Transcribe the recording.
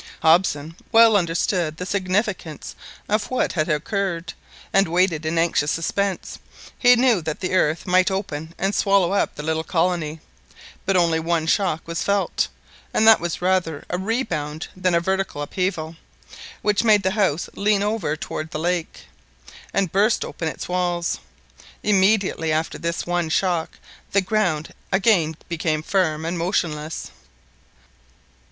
Hobson well understood the significance of what had occurred, and waited in anxious suspense. He knew that the earth might open and swallow up the little colony; but only one shock was felt, and that was rather a rebound than a vertical upheaval, which made the house lean over towards the lake, and burst open its walls. Immediately after this one shock, the ground again became firm and motionless.